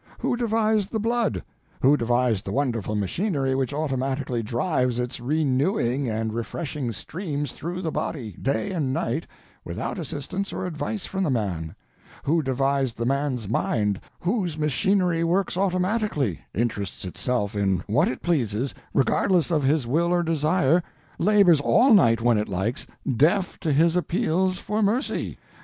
Who devised the blood? Who devised the wonderful machinery which automatically drives its renewing and refreshing streams through the body, day and night, without assistance or advice from the man? Who devised the man's mind, whose machinery works automatically, interests itself in what it pleases, regardless of its will or desire, labors all night when it likes, deaf to his appeals for mercy?